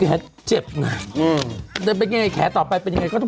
ก็เป็นไงเนี่ยแขย์ต่อไปเป็นไง